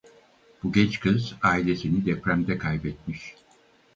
Bu genç kız, ailesini depremde kaybetmiş.